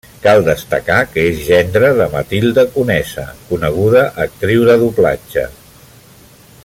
Cal destacar que és gendre de Matilde Conesa, coneguda actriu de doblatge.